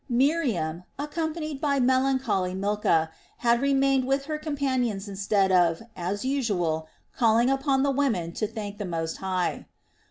Miriam, accompanied by melancholy Milcah, had remained with her companions instead of, as usual, calling upon the women to thank the Most High.